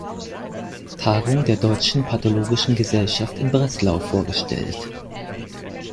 Tagung der Deutschen Pathologischen Gesellschaft in Breslau vorgestellt.